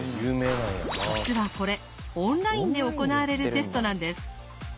実はこれオンラインで行われるテストなんです。